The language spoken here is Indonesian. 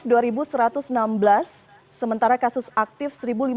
kasus positif dua ribu satu ratus enam belas sementara kasus aktif seribu lima ratus tiga puluh dua